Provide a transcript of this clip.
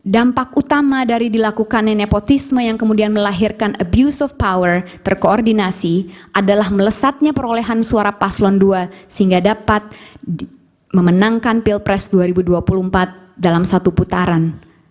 dampak utama dari dilakukannya nepotisme yang kemudian melahirkan abuse of power terkoordinasi adalah melesatnya perolehan suara paslon dua sehingga dapat memenangkan pilpres dua ribu dua puluh empat dalam satu putaran